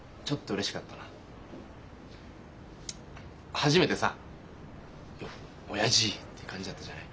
初めてさ「よっ親父！」って感じだったじゃない？